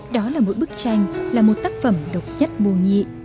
đó là mỗi bức tranh là một tác phẩm độc nhất vô nhị